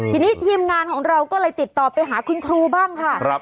ทีนี้ทีมงานของเราก็เลยติดต่อไปหาคุณครูบ้างค่ะ